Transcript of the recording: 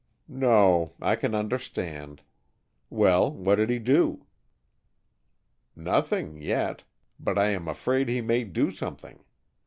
"No, I can understand. Well, what did he do?" "Nothing, yet. But I am afraid he may do something.